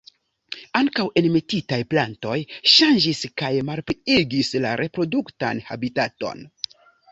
Ankaŭ enmetitaj plantoj ŝanĝis kaj malpliigis la reproduktan habitaton.